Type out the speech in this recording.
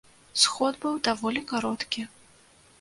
Сход быў даволі кароткі.